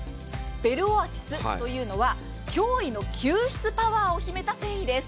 ベルオアシスというのが脅威の吸湿パワーを秘めた繊維です。